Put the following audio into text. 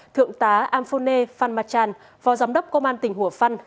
thượng tá amphone phanmachan phó giám đốc công an tỉnh hủa phăn